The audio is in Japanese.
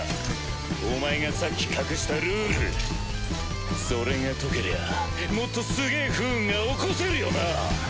お前がさっき隠したルールそれが解けりゃもっとすげぇ不運が起こせるよな。